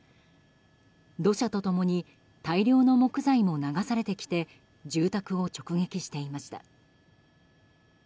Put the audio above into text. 土砂と共に大量の木材も流されてきて住宅を直撃していました。